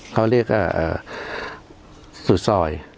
เขาเรียกสุดซอย